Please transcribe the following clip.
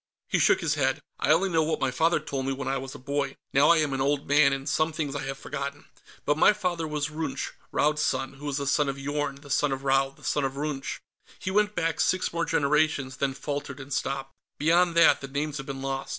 He shook his head. "I only know what my father told me, when I was a boy. Now I am an old man, and some things I have forgotten. But my father was Runch, Raud's son, who was the son of Yorn, the son of Raud, the son of Runch." He went back six more generations, then faltered and stopped. "Beyond that, the names have been lost.